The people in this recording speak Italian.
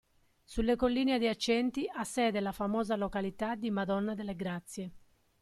Sulle colline adiacenti ha sede la famosa località di Madonna delle Grazie.